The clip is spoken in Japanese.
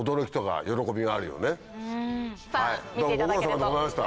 どうもご苦労さまでございました。